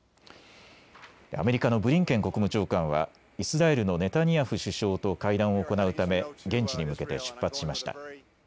アメリカのブリンケン国務長官はイスラエルのネタニヤフ首相と会談を行うため現地に向けて出発しました。